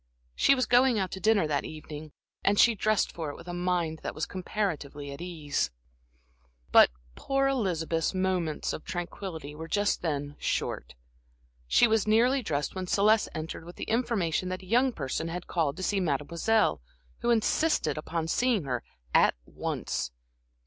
She was going out to dinner that evening, and she dressed for it with a mind that was comparatively at ease. But poor Elizabeth's moments of tranquillity just then were short. She was nearly dressed when Celeste entered with the information that a young person had called to see Mademoiselle, who insisted upon seeing her at once.